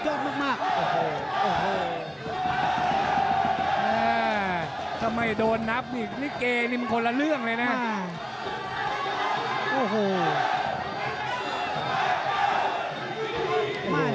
โอ้โหโอ้โหอ่าถ้าไม่โดนนับนี่นี่เกนี่มันคนละเรื่องเลยน่ะอ่า